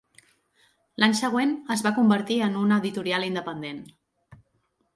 L'any següent es va convertir en una editorial independent.